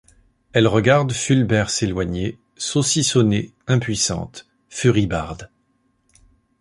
Elle regarde Fulbert s’éloigner, saucissonnée, impuissante, furibarde.